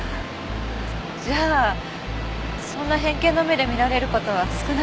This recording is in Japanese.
じゃあそんな偏見の目で見られる事は少ないですよね。